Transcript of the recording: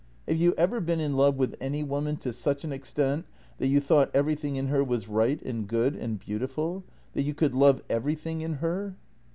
Have you ever been in love with any woman to such an extent that you thought everything in her was right and good and beautiful — that you could love everything in her?